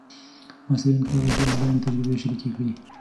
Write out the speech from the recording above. محصلین کولای سي آنلاین تجربې شریکې کړي.